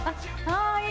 はい。